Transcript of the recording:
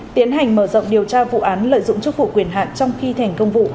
tiến hành mở rộng điều tra vụ án lợi dụng chức vụ quyền hạn trong khi thành công vụ